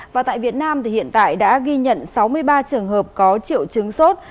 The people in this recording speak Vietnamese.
và tại việt nam thì hiện tại đã ghi nhận sáu mươi ba trường hợp có triệu chứng sốt